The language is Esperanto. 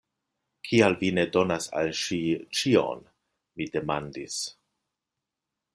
Kial vi ne donas al ŝi ĉion? mi demandis.